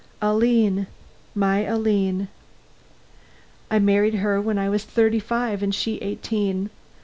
Aline! my Aline! I married her when I was thirty five and she eighteen.